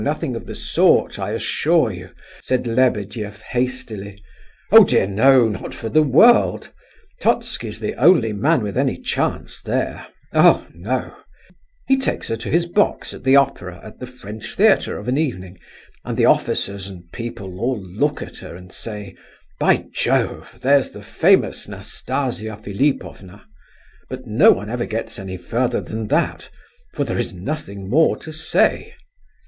Nothing of the sort, I assure you!" said Lebedeff, hastily. "Oh dear no, not for the world! Totski's the only man with any chance there. Oh, no! He takes her to his box at the opera at the French theatre of an evening, and the officers and people all look at her and say, 'By Jove, there's the famous Nastasia Philipovna!' but no one ever gets any further than that, for there is nothing more to say."